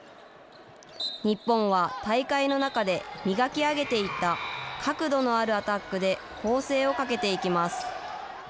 日本は大会の中で磨き上げていった角度のあるアタックで攻勢をかけていきます。